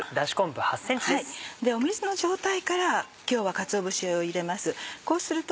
水の状態から今日はかつお節を入れます。